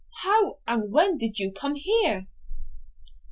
How and when did you come here?'